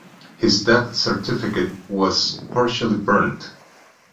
His death certificate was partially burnt.